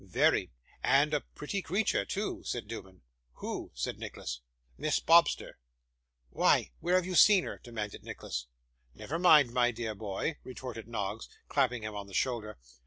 'Very. And a pretty creature too,' said Newman. 'Who?' said Nicholas. 'Miss Bobster.' 'Why, where have you seen her?' demanded Nicholas. 'Never mind, my dear boy,' retorted Noggs, clapping him on the shoulder.